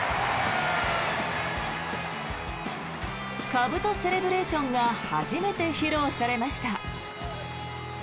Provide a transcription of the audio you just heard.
かぶとセレブレーションが初めて披露されました。